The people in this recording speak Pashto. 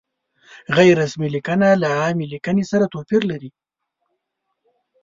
غیر رسمي لیکنه له عامې لیکنې سره توپیر لري.